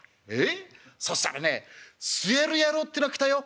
そしたらね据える野郎ってのが来たよ。